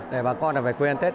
để bà con phải quên ăn tết